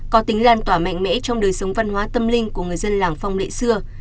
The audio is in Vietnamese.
có tính lan tỏa mạnh mẽ trong đời sống văn hóa tâm linh của người dân làng phong lệ xưa